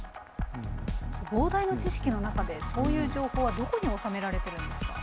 膨大な知識の中でそういう情報はどこにおさめられてるんですか？